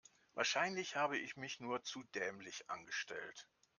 Wahrscheinlich habe ich mich nur zu dämlich angestellt.